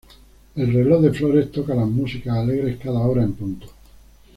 El reloj de flores toca las músicas alegres cada hora en punto.